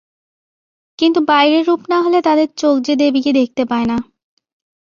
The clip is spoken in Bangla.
কিন্তু, বাইরের রূপ না হলে তাদের চোখ যে দেবীকে দেখতে পায় না।